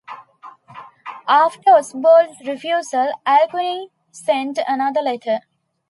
After Osbald's refusal Alcuin sent another letter.